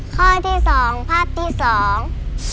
ข้อที่สองภาพที่สอง